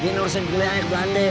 gini urusin gulai aja ke belanda